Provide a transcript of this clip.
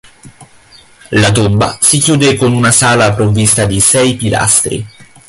La tomba si chiude con una sala provvista di sei pilastri.